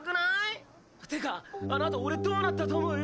ってかあのあと俺どうなったと思う？